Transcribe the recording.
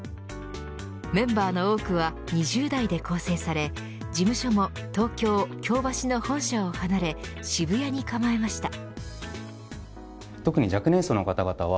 メンバーの多くは２０代で構成され事務所も東京、京橋の本社を離れ渋谷に構えました。